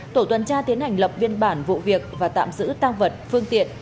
tổ tuần tra tiến hành lập biên bản vụ việc và tạm giữ tăng vật phương tiện